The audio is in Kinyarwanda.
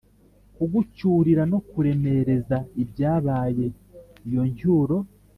kugucyurira no kuremereza icyabyaye iyo ncyuro